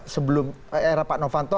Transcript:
sebelum era pak novanto